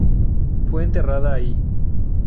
Fue enterrada ahí.